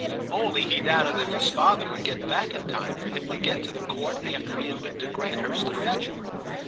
Only, he doubted if his father would get back in time for him to get to the Court after he had been to Granthurst to fetch him.